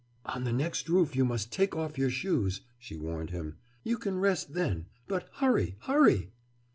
"On the next roof you must take off your shoes," she warned him. "You can rest then. But hurry—hurry!"